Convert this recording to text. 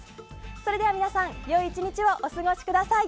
それでは皆さん良い１日をお過ごしください。